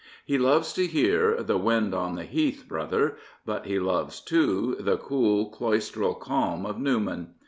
He loves to hear " the wind on the heath, brother "; but he loves, too, the cool, cloistral calm of Newman.